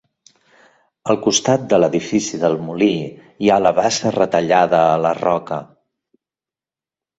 Al costat de l'edifici del molí hi ha la bassa retallada a la roca.